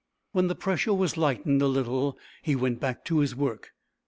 When the pressure was lightened a little he went back to his work.